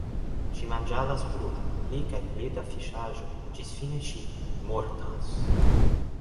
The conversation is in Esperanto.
Ŝi manĝadas plu, pli kaj pli da fiŝaĵoj, ĝis fine ŝi – mortas.